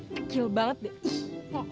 kekil banget deh